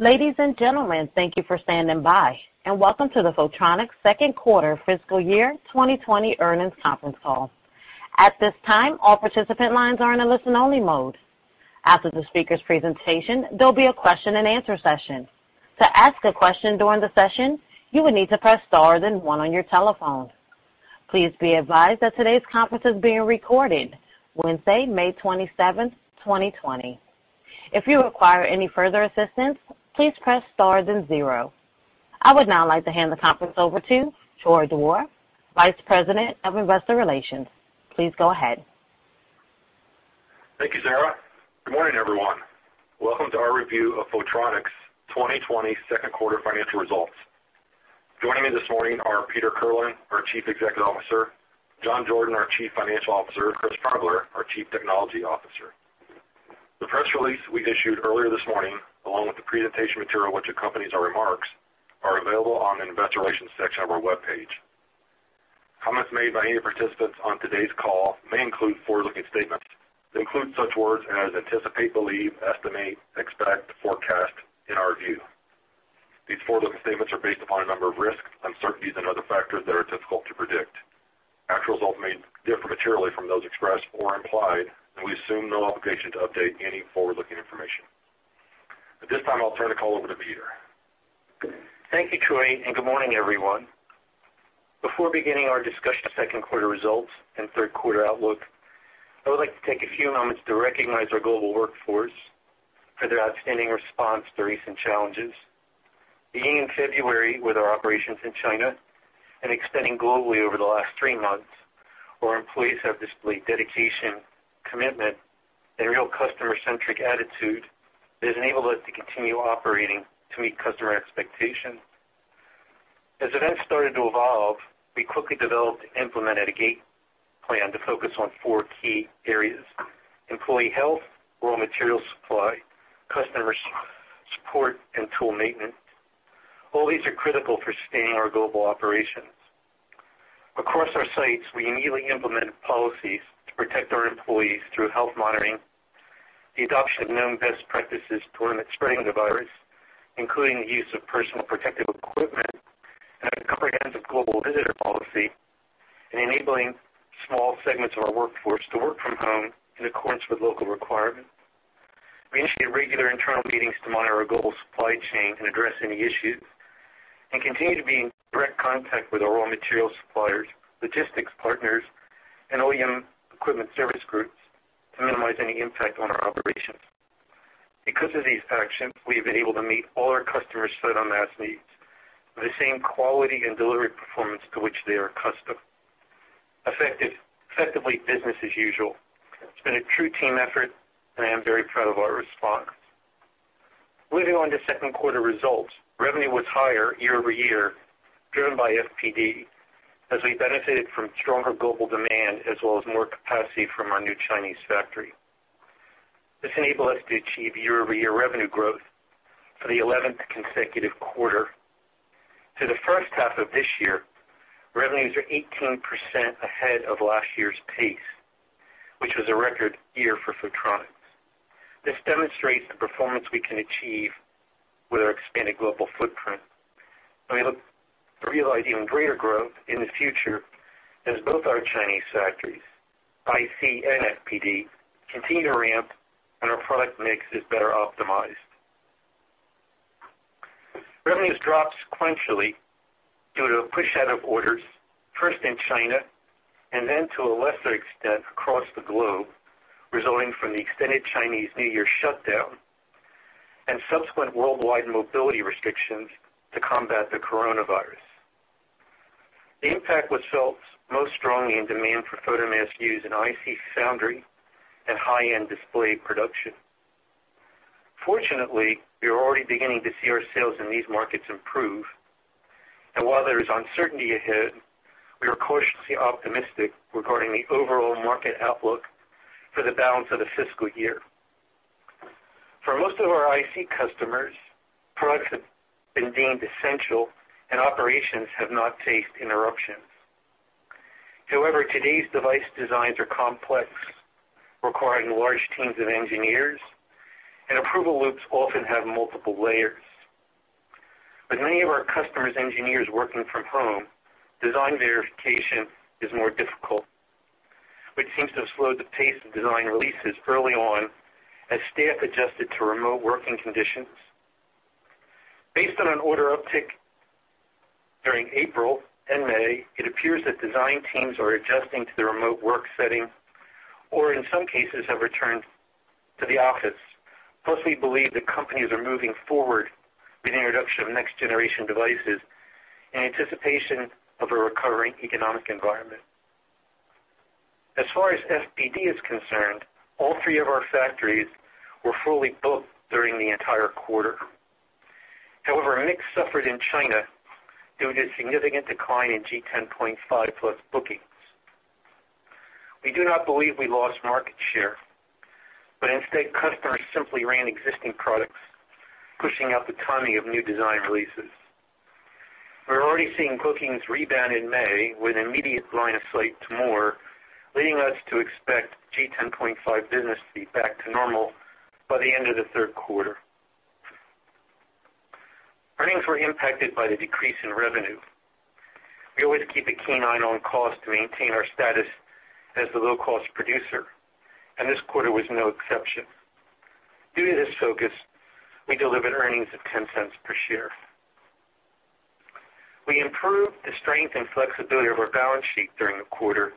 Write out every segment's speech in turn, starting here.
Ladies and gentlemen, thank you for standing by, and welcome to the Photronics Second Quarter Fiscal Year 2020 Earnings Conference Call. At this time, all participant lines are in a listen-only mode. After the speaker's presentation, there will be a question-and-answer session. To ask a question during the session, you will need to press star and one on your telephone. Please be advised that today's conference is being recorded, Wednesday, May 27, 2020. If you require any further assistance, please press star and zero. I would now like to hand the conference over to Troy Dewar, Vice President of Investor Relations. Please go ahead. Thank you, Sarah. Good morning, everyone. Welcome to our review of Photronics' 2020 Second Quarter financial results. Joining me this morning are Peter Kirlin, our Chief Executive Officer, John Jordan, our Chief Financial Officer, and Chris Progler, our Chief Technology Officer. The press release we issued earlier this morning, along with the presentation material which accompanies our remarks, is available on the Investor Relations section of our webpage. Comments made by any participants on today's call may include forward-looking statements that include such words as anticipate, believe, estimate, expect, forecast, and our view. These forward-looking statements are based upon a number of risks, uncertainties, and other factors that are difficult to predict. Actual results may differ materially from those expressed or implied, and we assume no obligation to update any forward-looking information. At this time, I'll turn the call over to Peter. Thank you, Troy, and good morning, everyone. Before beginning our discussion of Second Quarter results and Third Quarter outlook, I would like to take a few moments to recognize our global workforce for their outstanding response to recent challenges. Beginning in February with our operations in China and expanding globally over the last three months, our employees have displayed dedication, commitment, and a real customer-centric attitude that has enabled us to continue operating to meet customer expectations. As events started to evolve, we quickly developed and implemented a gate plan to focus on four key areas: employee health, raw material supply, customer support, and tool maintenance. All these are critical for sustaining our global operations. Across our sites, we immediately implemented policies to protect our employees through health monitoring, the adoption of known best practices to limit spreading the virus, including the use of personal protective equipment, and a comprehensive global visitor policy, and enabling small segments of our workforce to work from home in accordance with local requirements. We initiated regular internal meetings to monitor our global supply chain and address any issues, and continue to be in direct contact with our raw material suppliers, logistics partners, and OEM equipment service groups to minimize any impact on our operations. Because of these actions, we've been able to meet all our customers' photomask needs with the same quality and delivery performance to which they are accustomed. Effectively, business as usual. It's been a true team effort, and I am very proud of our response. Moving on to second quarter results, revenue was higher year over year, driven by FPD, as we benefited from stronger global demand as well as more capacity from our new Chinese factory. This enabled us to achieve year-over-year revenue growth for the 11th consecutive quarter. For the first half of this year, revenues are 18% ahead of last year's pace, which was a record year for Photronics. This demonstrates the performance we can achieve with our expanded global footprint. We look to realize even greater growth in the future as both our Chinese factories, IC and FPD, continue to ramp, and our product mix is better optimized. Revenues dropped sequentially due to a push out of orders, first in China and then to a lesser extent across the globe, resulting from the extended Chinese New Year shutdown and subsequent worldwide mobility restrictions to combat the coronavirus. The impact was felt most strongly in demand for photomask use in IC foundry and high-end display production. Fortunately, we are already beginning to see our sales in these markets improve, and while there is uncertainty ahead, we are cautiously optimistic regarding the overall market outlook for the balance of the fiscal year. For most of our IC customers, products have been deemed essential, and operations have not faced interruptions. However, today's device designs are complex, requiring large teams of engineers, and approval loops often have multiple layers. With many of our customers' engineers working from home, design verification is more difficult, which seems to have slowed the pace of design releases early on as staff adjusted to remote working conditions. Based on an order uptick during April and May, it appears that design teams are adjusting to the remote work setting or, in some cases, have returned to the office. Plus, we believe that companies are moving forward with the introduction of next-generation devices in anticipation of a recovering economic environment. As far as FPD is concerned, all three of our factories were fully booked during the entire quarter. However, mix suffered in China due to a significant decline in G10.5 Plus bookings. We do not believe we lost market share, but instead, customers simply ran existing products, pushing out the timing of new design releases. We're already seeing bookings rebound in May with an immediate line of sight to more, leading us to expect G10.5 business to be back to normal by the end of the third quarter. Earnings were impacted by the decrease in revenue. We always keep a keen eye on cost to maintain our status as the low-cost producer, and this quarter was no exception. Due to this focus, we delivered earnings of $0.10 per share. We improved the strength and flexibility of our balance sheet during the quarter,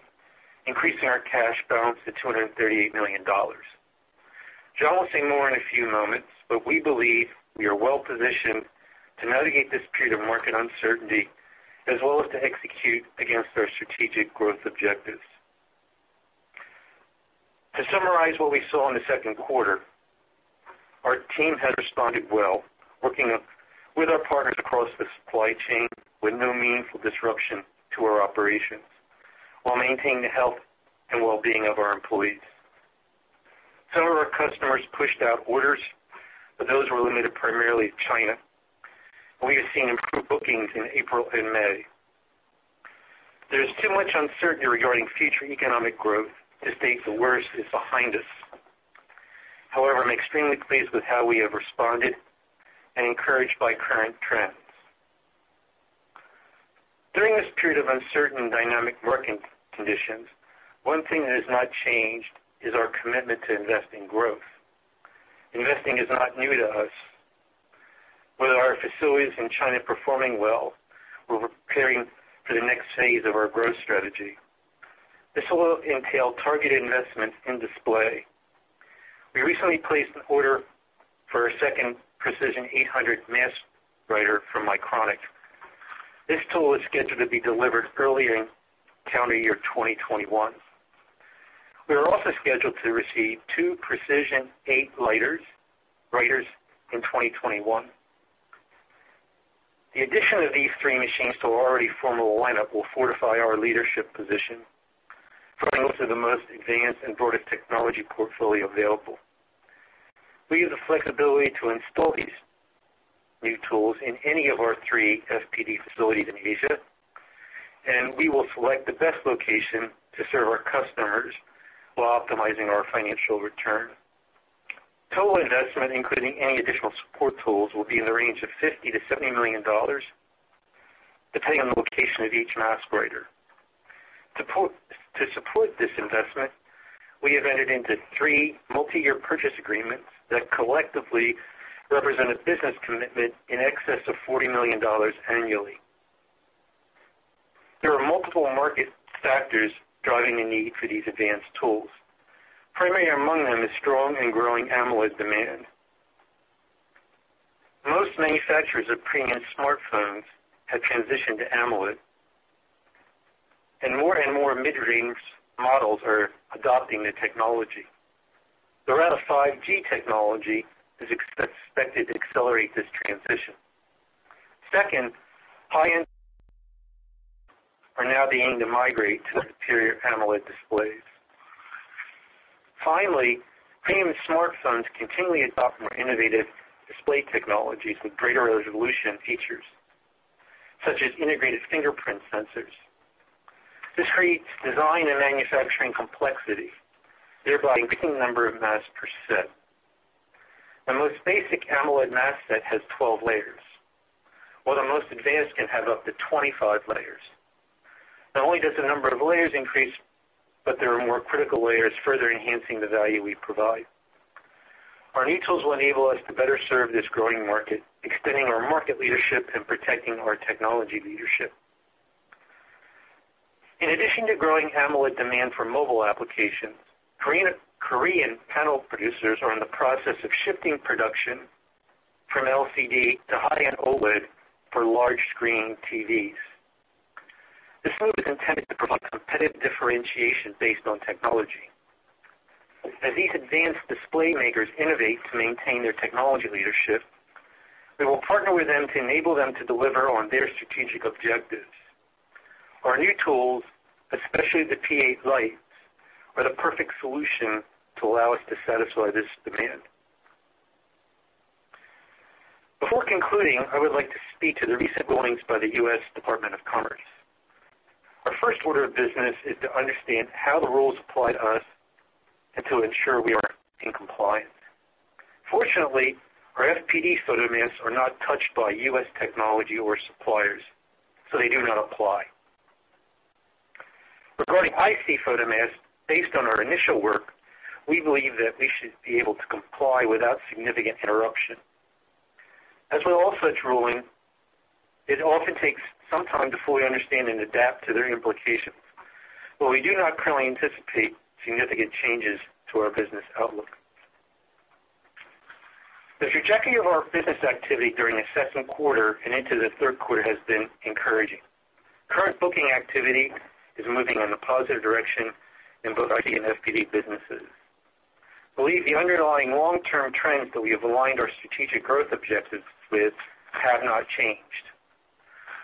increasing our cash balance to $238 million. John will say more in a few moments, but we believe we are well-positioned to navigate this period of market uncertainty as well as to execute against our strategic growth objectives. To summarize what we saw in the second quarter, our team has responded well, working with our partners across the supply chain with no meaningful disruption to our operations while maintaining the health and well-being of our employees. Some of our customers pushed out orders, but those were limited primarily to China, and we have seen improved bookings in April and May. There is too much uncertainty regarding future economic growth to state the worst is behind us. However, I'm extremely pleased with how we have responded and encouraged by current trends. During this period of uncertain and dynamic market conditions, one thing that has not changed is our commitment to investing in growth. Investing is not new to us. With our facilities in China performing well, we're preparing for the next phase of our growth strategy. This will entail targeted investments in display. We recently placed an order for a second Prexision 800 mask writer from Mycronic. This tool is scheduled to be delivered early in calendar year 2021. We are also scheduled to receive two Prexision 800 writers in 2021. The addition of these three machines to our already formidable lineup will fortify our leadership position, providing us with the most advanced and broadest technology portfolio available. We have the flexibility to install these new tools in any of our three FPD facilities in Asia, and we will select the best location to serve our customers while optimizing our financial return. Total investment, including any additional support tools, will be in the range of $50 million-$70 million, depending on the location of each mask writer. To support this investment, we have entered into three multi-year purchase agreements that collectively represent a business commitment in excess of $40 million annually. There are multiple market factors driving the need for these advanced tools. Primarily among them is strong and growing AMOLED demand. Most manufacturers of premium smartphones have transitioned to AMOLED, and more and more mid-range models are adopting the technology. The 5G technology is expected to accelerate this transition. Second, high-end are now beginning to migrate to the superior AMOLED displays. Finally, premium smartphones continually adopt more innovative display technologies with greater resolution features, such as integrated fingerprint sensors. This creates design and manufacturing complexity, thereby increasing the number of masks per set. The most basic AMOLED mask set has 12 layers, while the most advanced can have up to 25 layers. Not only does the number of layers increase, but there are more critical layers, further enhancing the value we provide. Our new tools will enable us to better serve this growing market, extending our market leadership and protecting our technology leadership. In addition to growing AMOLED demand for mobile applications, Korean panel producers are in the process of shifting production from LCD to high-end OLED for large-screen TVs. This move is intended to provide competitive differentiation based on technology. As these advanced display makers innovate to maintain their technology leadership, we will partner with them to enable them to deliver on their strategic objectives. Our new tools, especially the Prexision Lite 8, are the perfect solution to allow us to satisfy this demand. Before concluding, I would like to speak to the recent rulings by the U.S. Department of Commerce. Our first order of business is to understand how the rules apply to us and to ensure we are in compliance. Fortunately, our FPD photomasks are not touched by U.S. technology or suppliers, so they do not apply. Regarding IC photomasks, based on our initial work, we believe that we should be able to comply without significant interruption. As with all such rulings, it often takes some time to fully understand and adapt to their implications, but we do not currently anticipate significant changes to our business outlook. The trajectory of our business activity during the second quarter and into the third quarter has been encouraging. Current booking activity is moving in a positive direction in both IC and FPD businesses. I believe the underlying long-term trends that we have aligned our strategic growth objectives with have not changed.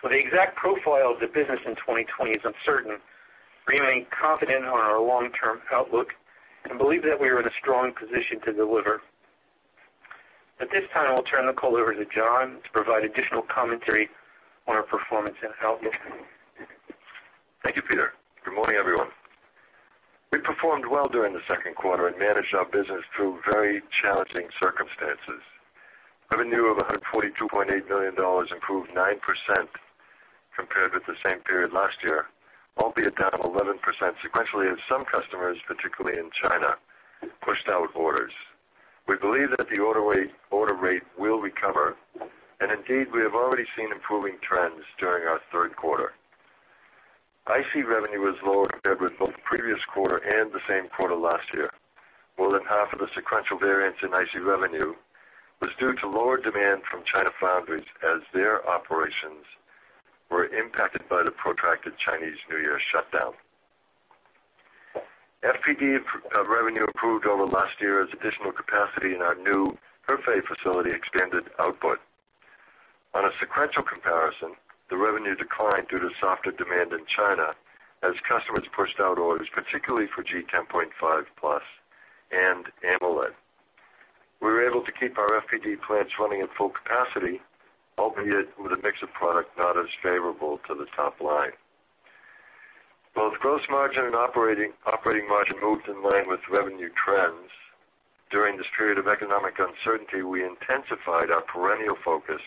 While the exact profile of the business in 2020 is uncertain, we remain confident in our long-term outlook and believe that we are in a strong position to deliver. At this time, I'll turn the call over to John to provide additional commentary on our performance and outlook. Thank you, Peter. Good morning, everyone. We performed well during the second quarter and managed our business through very challenging circumstances. Revenue of $142.8 million improved 9% compared with the same period last year, albeit down 11% sequentially as some customers, particularly in China, pushed out orders. We believe that the order rate will recover, and indeed, we have already seen improving trends during our third quarter. IC revenue was lower compared with both the previous quarter and the same quarter last year. More than half of the sequential variance in IC revenue was due to lower demand from China foundries as their operations were impacted by the protracted Chinese New Year shutdown. FPD revenue improved over the last year as additional capacity in our new Hefei facility expanded output. On a sequential comparison, the revenue declined due to softer demand in China as customers pushed out orders, particularly for G10.5+ and AMOLED. We were able to keep our FPD plants running at full capacity, albeit with a mix of product not as favorable to the top line. Both gross margin and operating margin moved in line with revenue trends. During this period of economic uncertainty, we intensified our perennial focus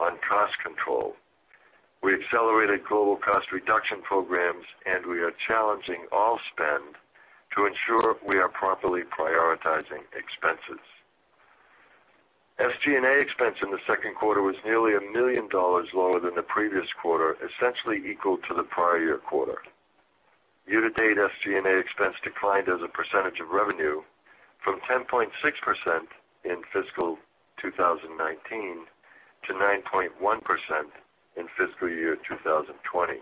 on cost control. We accelerated global cost reduction programs, and we are challenging all spend to ensure we are properly prioritizing expenses. SG&A expense in the second quarter was nearly $1 million lower than the previous quarter, essentially equal to the prior year quarter. Year-to-date, SG&A expense declined as a percentage of revenue from 10.6% in fiscal 2019 to 9.1% in fiscal year 2020.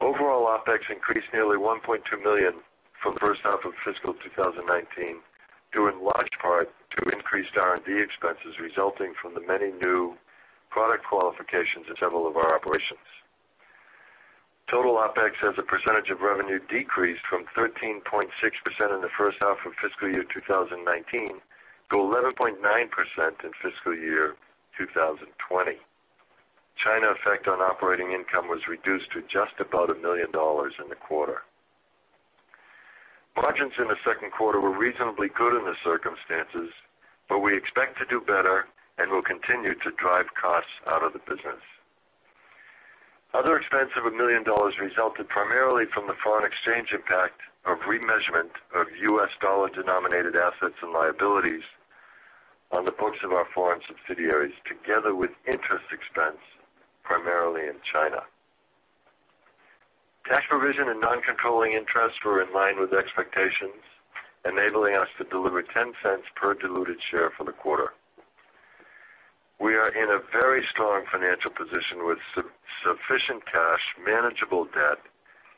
Overall, OpEx increased nearly $1.2 million from the first half of fiscal 2019, due in large part to increased R&D expenses resulting from the many new product qualifications in several of our operations. Total OpEx as a percentage of revenue decreased from 13.6% in the first half of fiscal year 2019 to 11.9% in fiscal year 2020. China effect on operating income was reduced to just about $1 million in the quarter. Margins in the second quarter were reasonably good in the circumstances, but we expect to do better and will continue to drive costs out of the business. Other expense of $1 million resulted primarily from the foreign exchange impact of remeasurement of U.S. dollar-denominated assets and liabilities on the books of our foreign subsidiaries, together with interest expense primarily in China. Tax provision and non-controlling interest were in line with expectations, enabling us to deliver $0.10 per diluted share for the quarter. We are in a very strong financial position with sufficient cash, manageable debt,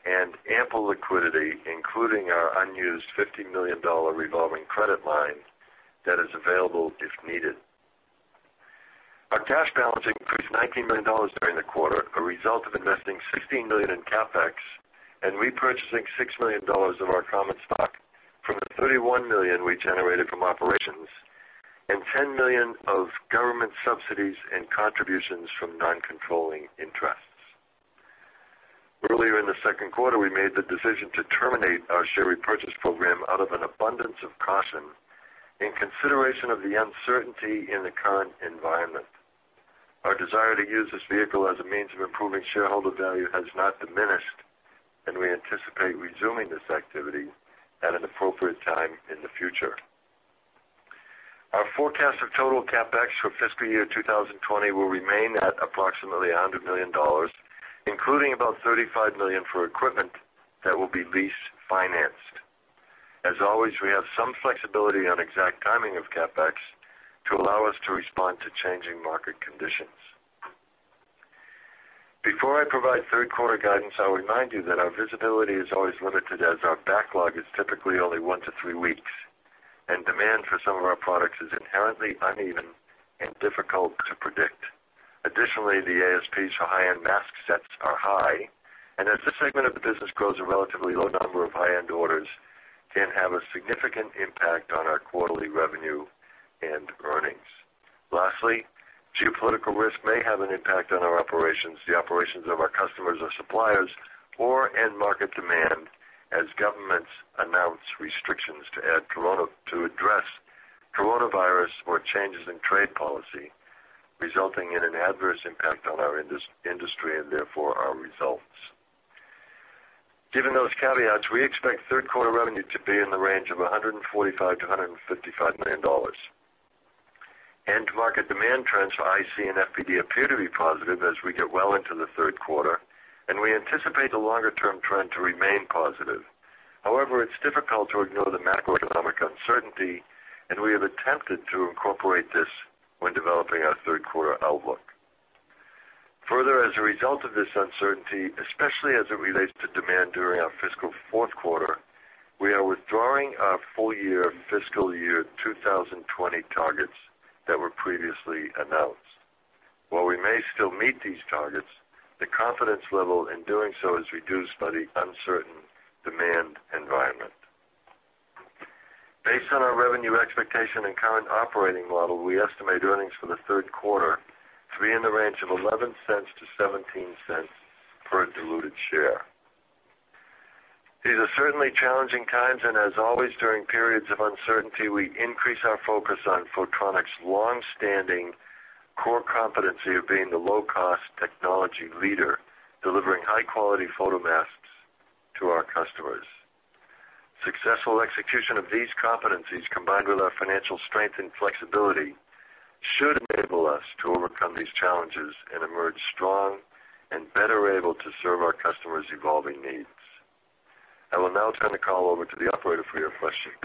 and ample liquidity, including our unused $50 million revolving credit line that is available if needed. Our cash balance increased $19 million during the quarter, a result of investing $16 million in CapEx and repurchasing $6 million of our common stock from the $31 million we generated from operations and $10 million of government subsidies and contributions from non-controlling interests. Earlier in the second quarter, we made the decision to terminate our share repurchase program out of an abundance of caution in consideration of the uncertainty in the current environment. Our desire to use this vehicle as a means of improving shareholder value has not diminished, and we anticipate resuming this activity at an appropriate time in the future. Our forecast of total CapEx for fiscal year 2020 will remain at approximately $100 million, including about $35 million for equipment that will be lease-financed. As always, we have some flexibility on exact timing of CapEx to allow us to respond to changing market conditions. Before I provide third quarter guidance, I'll remind you that our visibility is always limited as our backlog is typically only one to three weeks, and demand for some of our products is inherently uneven and difficult to predict. Additionally, the ASPs for high-end mask sets are high, and as this segment of the business grows a relatively low number of high-end orders, it can have a significant impact on our quarterly revenue and earnings. Lastly, geopolitical risk may have an impact on our operations, the operations of our customers or suppliers, or end market demand as governments announce restrictions to address coronavirus or changes in trade policy, resulting in an adverse impact on our industry and therefore our results. Given those caveats, we expect third quarter revenue to be in the range of $145 millio-$155 million. End market demand trends for IC and FPD appear to be positive as we get well into the third quarter, and we anticipate the longer-term trend to remain positive. However, it's difficult to ignore the macroeconomic uncertainty, and we have attempted to incorporate this when developing our third quarter outlook. Further, as a result of this uncertainty, especially as it relates to demand during our fiscal fourth quarter, we are withdrawing our full-year fiscal year 2020 targets that were previously announced. While we may still meet these targets, the confidence level in doing so is reduced by the uncertain demand environment. Based on our revenue expectation and current operating model, we estimate earnings for the third quarter to be in the range of $0.11-$0.17 per diluted share. These are certainly challenging times, and as always, during periods of uncertainty, we increase our focus on Photronics' long-standing core competency of being the low-cost technology leader delivering high-quality photomasks to our customers. Successful execution of these competencies, combined with our financial strength and flexibility, should enable us to overcome these challenges and emerge strong and better able to serve our customers' evolving needs. I will now turn the call over to the operator for your questions.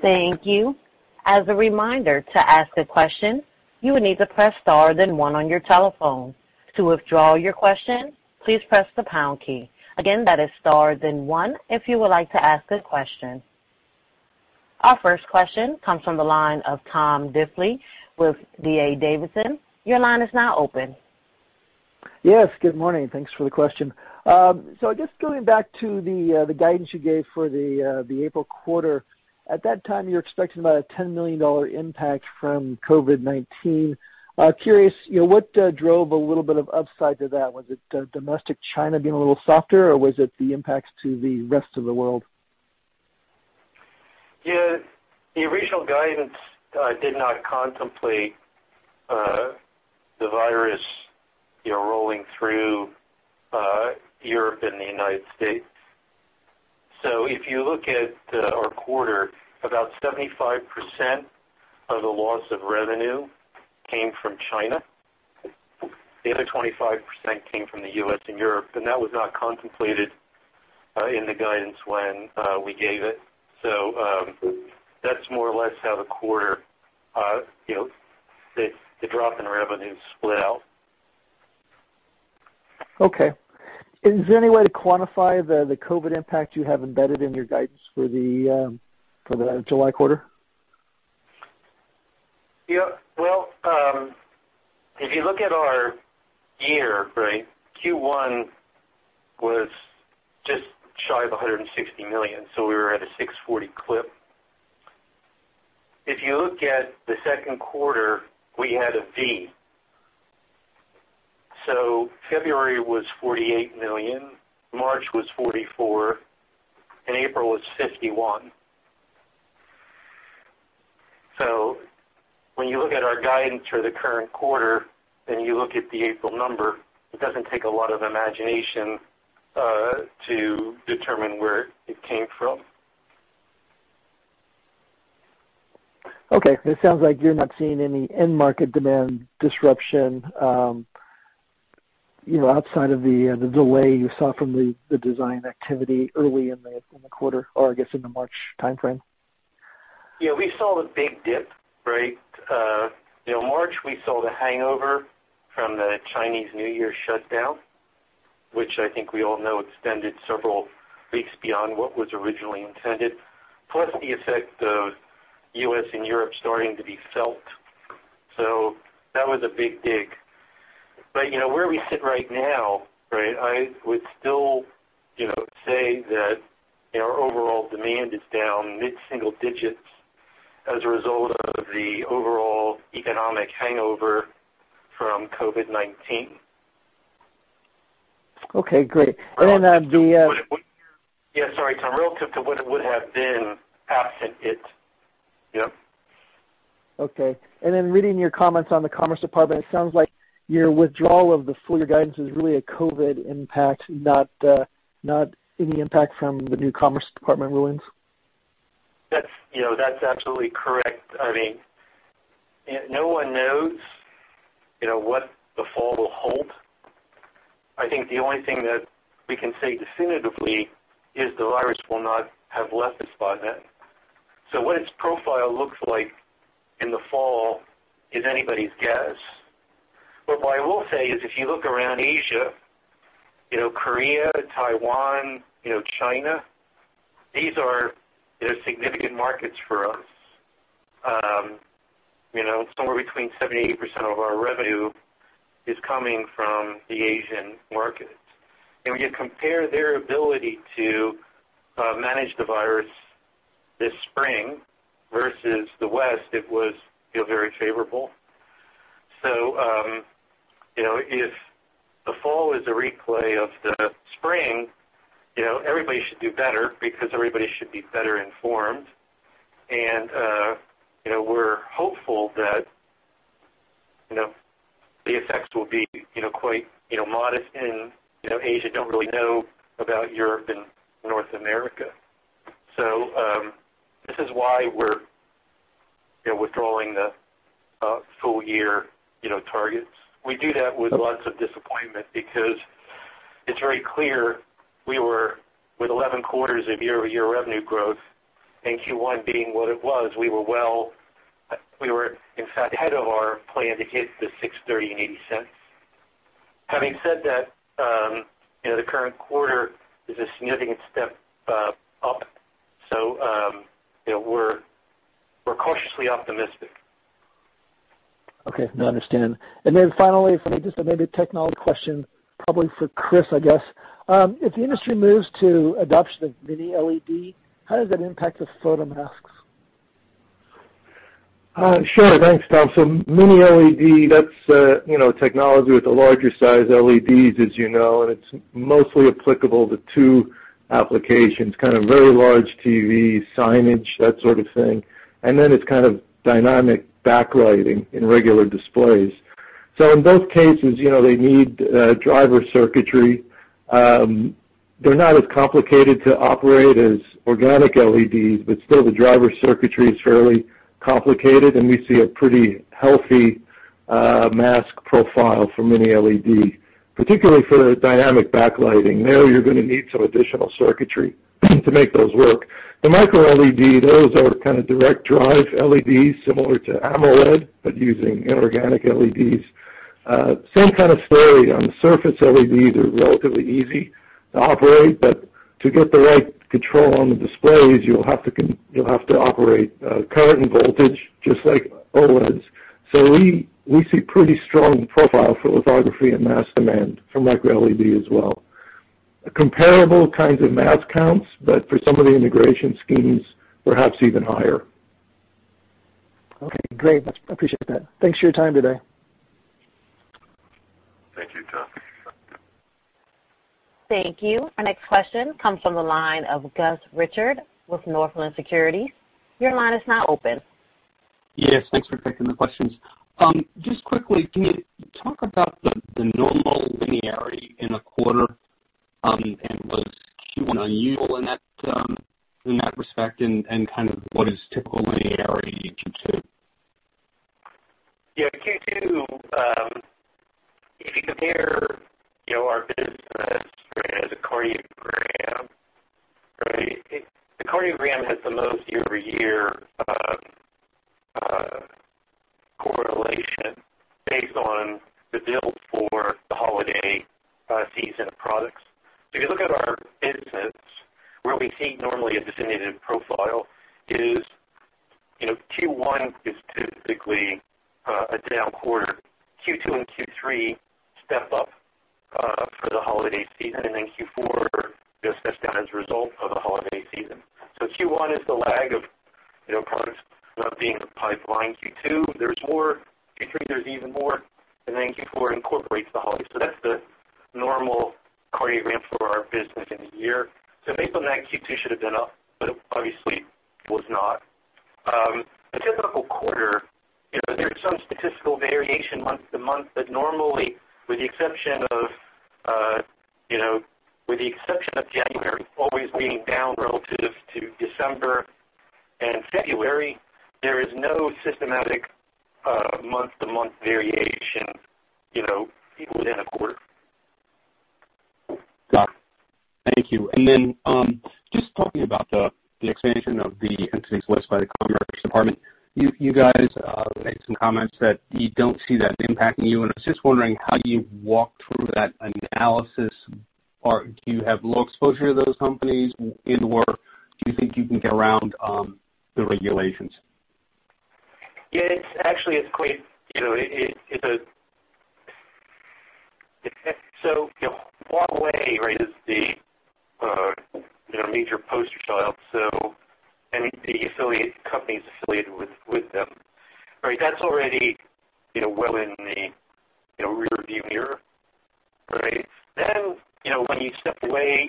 Thank you. As a reminder to ask a question, you will need to press star then one on your telephone. To withdraw your question, please press the pound key. Again, that is star then one if you would like to ask a question. Our first question comes from the line of Tom Diffely with D.A. Davidson. Your line is now open. Yes, good morning. Thanks for the question. So I guess going back to the guidance you gave for the April quarter, at that time, you were expecting about a $10 million impact from COVID-19. Curious, what drove a little bit of upside to that? Was it domestic China being a little softer, or was it the impacts to the rest of the world? Yeah, the original guidance did not contemplate the virus rolling through Europe and the United States. So if you look at our quarter, about 75% of the loss of revenue came from China. The other 25% came from the U.S. and Europe, and that was not contemplated in the guidance when we gave it. So that's more or less how the quarter, the drop in revenue, split out. Okay. Is there any way to quantify the COVID impact you have embedded in your guidance for the July quarter? Yeah, well, if you look at our year, right, Q1 was just shy of $160 million, so we were at a 640 clip. If you look at the second quarter, we had a V. So February was $48 million, March was $44 million, and April was $51 million. So when you look at our guidance for the current quarter and you look at the April number, it doesn't take a lot of imagination to determine where it came from. Okay. It sounds like you're not seeing any end market demand disruption outside of the delay you saw from the design activity early in the quarter or, I guess, in the March timeframe. Yeah, we saw the big dip, right? March, we saw the hangover from the Chinese New Year shutdown, which I think we all know extended several weeks beyond what was originally intended, plus the effect of U.S. and Europe starting to be felt. So that was a big dip. But where we sit right now, right, I would still say that our overall demand is down mid-single digits as a result of the overall economic hangover from COVID-19. Okay. Great. And then the. Yeah, sorry, Tom, relative to what it would have been absent it. Yep. Okay. And then reading your comments on the Commerce Department, it sounds like your withdrawal of the full-year guidance is really a COVID impact, not any impact from the new Commerce Department rulings. That's absolutely correct. I mean, no one knows what the fall will hold. I think the only thing that we can say definitively is the virus will not have left us by then. So what its profile looks like in the fall is anybody's guess. But what I will say is if you look around Asia, Korea, Taiwan, China, these are significant markets for us. Somewhere between 70% and 80% of our revenue is coming from the Asian markets. And when you compare their ability to manage the virus this spring versus the West, it was very favorable. So if the fall is a replay of the spring, everybody should do better because everybody should be better informed. And we're hopeful that the effects will be quite modest in Asia. You don't really know about Europe and North America. So this is why we're withdrawing the full-year targets. We do that with lots of disappointment because it's very clear we were with 11 quarters of year-over-year revenue growth, and Q1 being what it was, we were, in fact, ahead of our plan to hit the $630 and $0.80. Having said that, the current quarter is a significant step up so we're cautiously optimistic. Okay. No, I understand and then finally, just maybe a technology question, probably for Chris, I guess. If the industry moves to adoption of Mini-LED, how does that impact the photomasks? Sure. Thanks, Tom. So Mini-LED, that's technology with the larger size LEDs, as you know, and it's mostly applicable to two applications, kind of very large TVs, signage, that sort of thing. And then it's kind of dynamic backlighting in regular displays. So in both cases, they need driver circuitry. They're not as complicated to operate as organic LEDs, but still the driver circuitry is fairly complicated, and we see a pretty healthy mask profile for Mini-LED, particularly for the dynamic backlighting. There, you're going to need some additional circuitry to make those work. The Micro-LED, those are kind of direct drive LEDs, similar to AMOLED, but using inorganic LEDs. Same kind of story on surface LEDs. They're relatively easy to operate, but to get the right control on the displays, you'll have to operate current and voltage, just like OLEDs. So we see pretty strong photomask production and mask demand for Micro-LED as well. Comparable kinds of mask counts, but for some of the integration schemes, perhaps even higher. Okay. Great. I appreciate that. Thanks for your time today. Thank you, Tom. Thank you. Our next question comes from the line of Gus Richard with Northland Securities. Your line is now open. Yes. Thanks for taking the questions. Just quickly, can you talk about the normal linearity in a quarter and was Q1 unusual in that respect and kind of what is typical linearity in Q2? Yeah. Q2, if you compare our business as a cardiogram, right, the cardiogram has the most year-over-year correlation based on the build for the holiday season of products. So if you look at our business, where we see normally a definitive profile is Q1 is typically a down quarter. Q2 and Q3 step up for the holiday season, and then Q4 steps down as a result of the holiday season. So Q1 is the lag of products not being the pipeline. Q2, there's more. Q3, there's even more. And then Q4 incorporates the holiday. So that's the normal cardiogram for our business in the year. So based on that, Q2 should have been up, but obviously was not. The typical quarter, there's some statistical variation month to month, but normally, with the exception of January always being down relative to December and February, there is no systematic month-to-month variation within a quarter. Got it. Thank you. And then just talking about the expansion of the entities listed by the Commerce Department, you guys made some comments that you don't see that impacting you. And I was just wondering how you walk through that analysis. Do you have low exposure to those companies, and/or do you think you can get around the regulations? Yeah. Actually, it's quite a so Huawei, right, is the major poster child, and the affiliate company is affiliated with them. Right? That's already well in the rear-view mirror, right? Then when you step away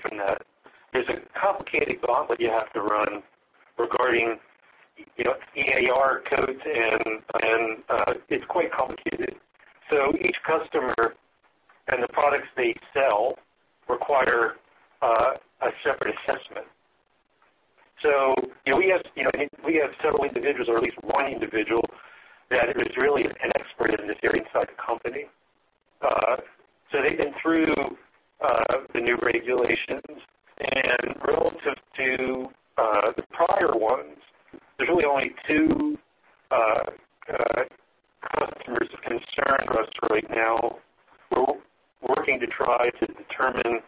from that, there's a complicated gauntlet you have to run regarding EAR codes, and it's quite complicated. So each customer and the products they sell require a separate assessment. So we have several individuals or at least one individual that is really an expert in this area inside the company. So they've been through the new regulations, and relative to the prior ones, there's really only two customers of concern for us right now. We're working to try to determine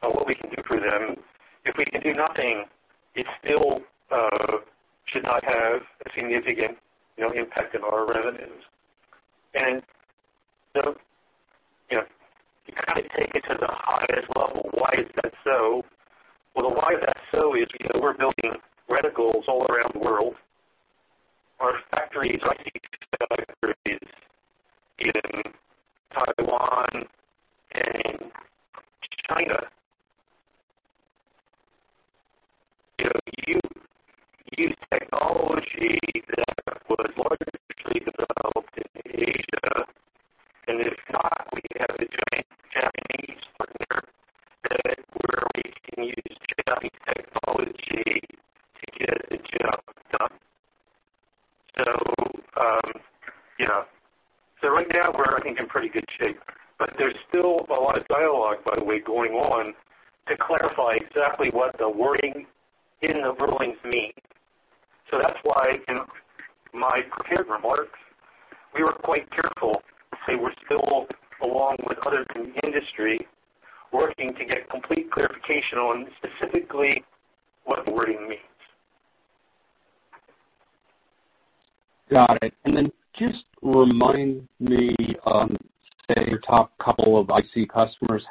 what we can do for them. If we can do nothing, it still should not have a significant impact on our revenues. And so you kind of take it to the highest level. Why is that so? Well, the why is that so is we're building IC customers.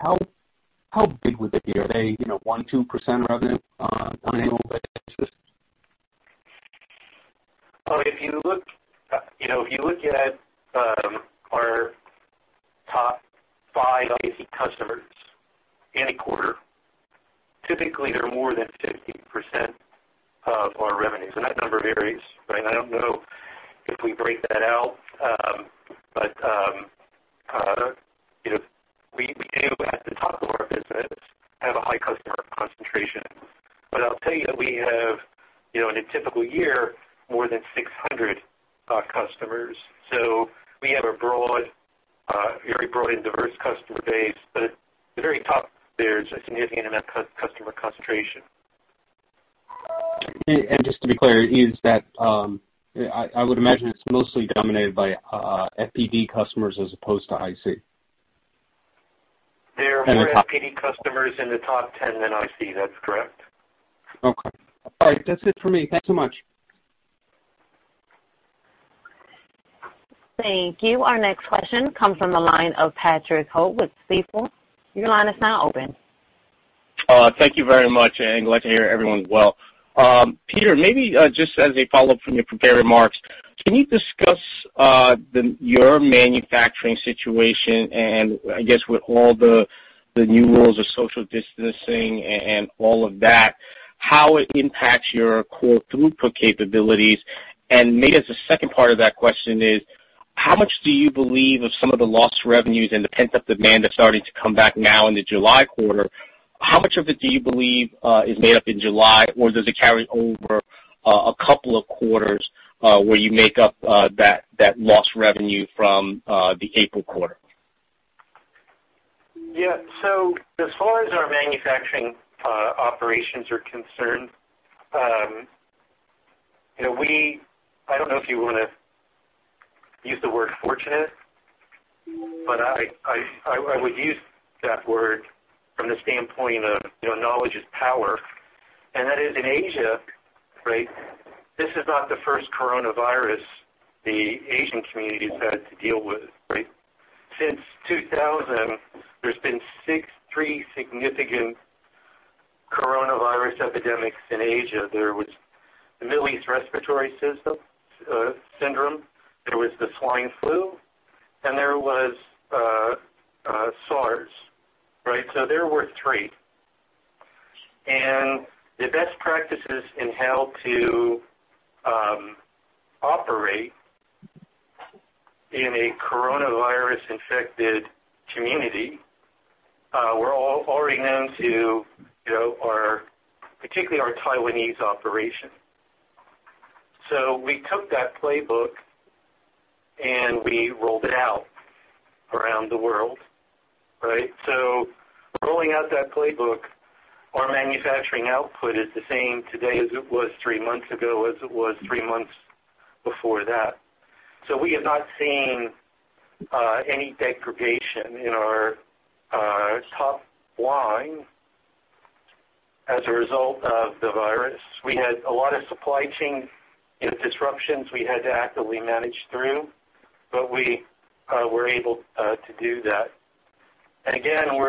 How big would they be? Are they 1%, 2% revenue on annual basis? If you look at our top five IC customers any quarter, typically they're more than 50% of our revenues. And that number varies, right? I don't know if we break that out, but we do, at the top of our business, have a high customer concentration. But I'll tell you that we have, in a typical year, more than 600 customers. So we have a very broad and diverse customer base, but at the very top, there's a significant amount of customer concentration. Just to be clear, I would imagine it's mostly dominated by FPD customers as opposed to IC. They're more FPD customers in the top 10 than IC. That's correct. Okay. All right. That's it for me. Thanks so much. Thank you. Our next question comes from the line of Patrick Ho with Stifel. Your line is now open. Thank you very much. And glad to hear everyone's well. Peter, maybe just as a follow-up from your prepared remarks, can you discuss your manufacturing situation and, I guess, with all the new rules of social distancing and all of that, how it impacts your core throughput capabilities? And maybe as a second part of that question is, how much do you believe of some of the lost revenues and the pent-up demand that's starting to come back now in the July quarter? How much of it do you believe is made up in July, or does it carry over a couple of quarters where you make up that lost revenue from the April quarter? Yeah. So as far as our manufacturing operations are concerned, I don't know if you want to use the word fortunate, but I would use that word from the standpoint of knowledge is power. And that is, in Asia, right, this is not the first coronavirus the Asian community has had to deal with, right? Since 2000, there's been three significant coronavirus epidemics in Asia. There was the Middle East Respiratory Syndrome. There was the swine flu. And there was SARS, right? So there were three. And the best practices in how to operate in a coronavirus-infected community, we're all already known to, particularly our Taiwanese operation. So we took that playbook and we rolled it out around the world, right? So rolling out that playbook, our manufacturing output is the same today as it was three months ago, as it was three months before that. So we have not seen any degradation in our top line as a result of the virus. We had a lot of supply chain disruptions we had to actively manage through, but we were able to do that. And again,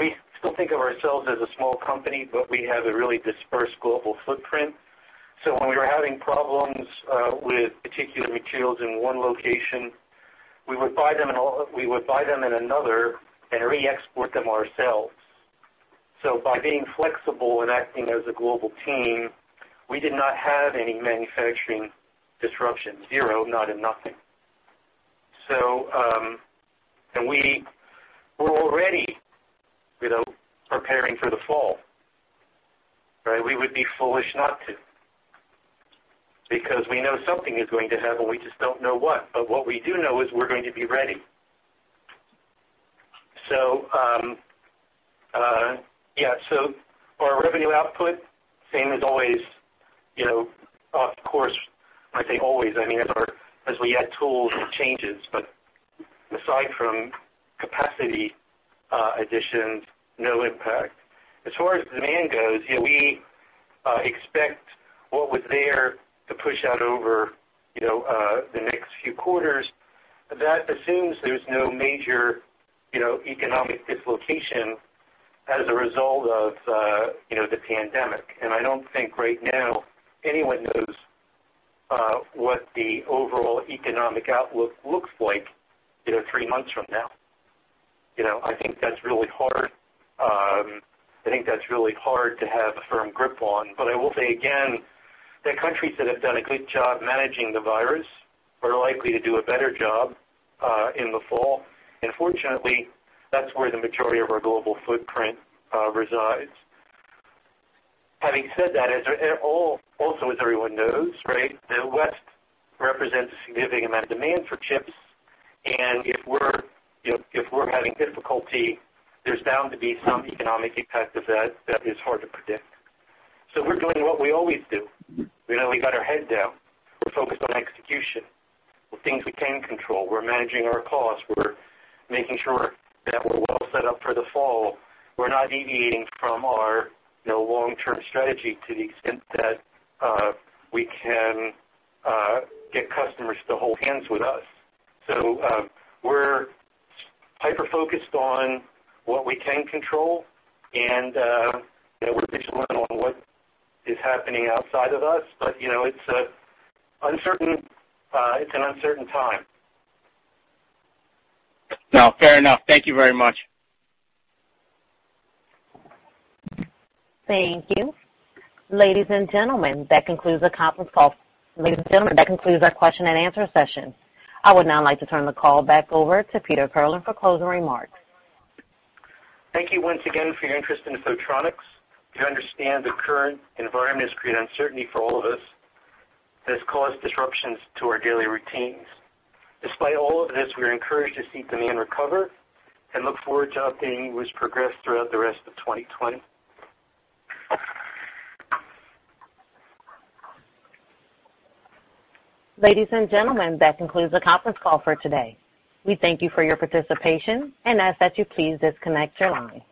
we still think of ourselves as a small company, but we have a really dispersed global footprint. So when we were having problems with particular materials in one location, we would buy them in another and re-export them ourselves. So by being flexible and acting as a global team, we did not have any manufacturing disruptions, zero, not in nothing. And we were already preparing for the fall, right? We would be foolish not to because we know something is going to happen. We just don't know what. But what we do know is we're going to be ready. So yeah. So our revenue output, same as always. Of course, when I say always, I mean as we add tools and changes, but aside from capacity additions, no impact. As far as demand goes, we expect what was there to push out over the next few quarters. That assumes there's no major economic dislocation as a result of the pandemic. And I don't think right now anyone knows what the overall economic outlook looks like three months from now. I think that's really hard. I think that's really hard to have a firm grip on. But I will say again that countries that have done a good job managing the virus are likely to do a better job in the fall. And fortunately, that's where the majority of our global footprint resides. Having said that, also as everyone knows, right, the West represents a significant amount of demand for chips. And if we're having difficulty, there's bound to be some economic impact of that that is hard to predict. So we're doing what we always do. We got our head down. We're focused on execution of things we can control. We're managing our costs. We're making sure that we're well set up for the fall. We're not deviating from our long-term strategy to the extent that we can get customers to hold hands with us. So we're hyper-focused on what we can control and we're vigilant on what is happening outside of us. But it's an uncertain time. Now. Fair enough. Thank you very much. Thank you. Ladies and gentlemen, that concludes our question and answer session. I would now like to turn the call back over to Peter Kirlin for closing remarks. Thank you once again for your interest in Photronics. We understand the current environment is creating uncertainty for all of us. This caused disruptions to our daily routines. Despite all of this, we are encouraged to see demand recover and look forward to updating you as progress throughout the rest of 2020. Ladies and gentlemen, that concludes the conference call for today. We thank you for your participation and ask that you please disconnect your line.